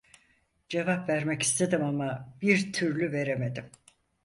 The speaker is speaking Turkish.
Cevap vermek istedim, ama bir türlü veremedim.